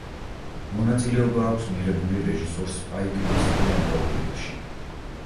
მონაწილეობა აქვს მიღებული რეჟისორ სპაიკ ლის უამრავ ფილმში.